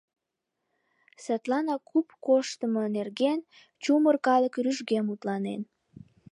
Садланак куп коштымо нерген чумыр калык рӱжге мутланен.